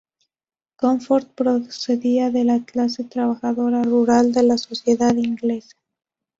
Cornforth procedía de la clase trabajadora rural de la sociedad inglesa.